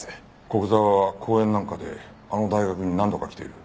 古久沢は講演なんかであの大学に何度か来てる。